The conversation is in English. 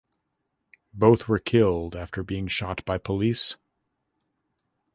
Both were killed after being shot by police.